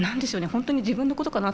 本当に自分のことかなっていう。